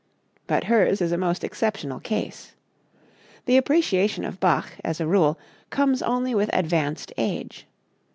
But hers is a most exceptional case. The appreciation of Bach, as a rule, comes only with advanced age.